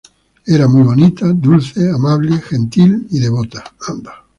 Era muy bonita, dulce, amable, gentil y devota".